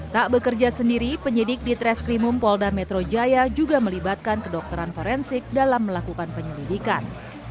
tak bekerja sendiri penyidik di treskrimum polda metro jaya juga melibatkan kedokteran forensik dalam melakukan penyelidikan